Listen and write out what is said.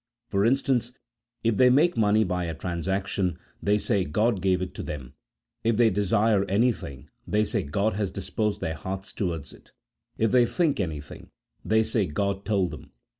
For instance, if they make money by a transaction, they say God gave it to them ; if they desire anything, they say God has disposed their hearts towards it ; if they think anything, they say God told them.